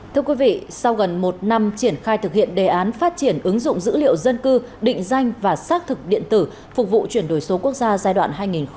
thưa quý vị sau gần một năm triển khai thực hiện đề án phát triển ứng dụng dữ liệu dân cư định danh và xác thực điện tử phục vụ chuyển đổi số quốc gia giai đoạn hai nghìn hai mươi một hai nghìn ba mươi